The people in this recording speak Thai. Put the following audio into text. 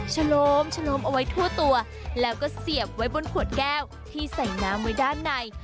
โฉมเอาไว้ทั่วตัวแล้วก็เสียบไว้บนขวดแก้วที่ใส่น้ำไว้ด้านใน